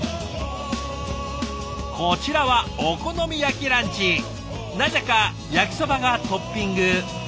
こちらはなぜか焼きそばがトッピング。